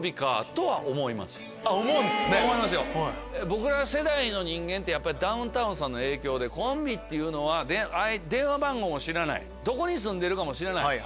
僕ら世代の人間ってダウンタウンさんの影響でコンビは電話番号も知らないどこに住んでるかも知らない。